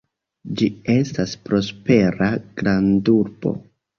Ĝi estas prospera grandurbo.